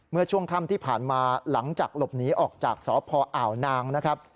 เมื่อช่วงค่ำที่ผ่านมาหลังจากหลบหนีออกจากสพอ่าวนางนะครับ